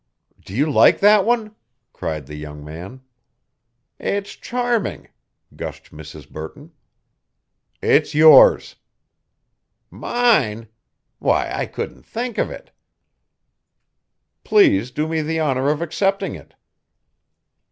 "Do you like that one?" cried the young man. "It's charming," gushed Mrs. Burton. "It's yours." "Mine! Why, I couldn't think of it." "Please do me the honor of accepting it."